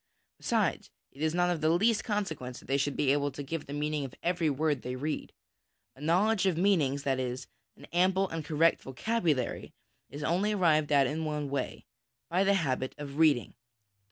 Besides, it is not of the least consequence that they should be able to give the meaning of every word they read. A knowledge of meanings, that is, an ample and correct vocabulary, is only arrived at in one way by the habit of reading.